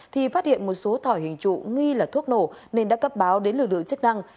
thì phát hiện một số thỏi hình trụ nghi là thuốc nổ nên đã cấp báo đến lực lượng chức năng